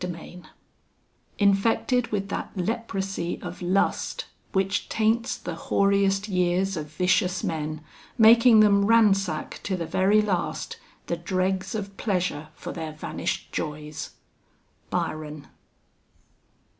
'" V Infected with that leprosy of lust, Which taints the hoariest years of vicious men Making them ransack to the very last The dregs of pleasure for their vanished joys. BYRON.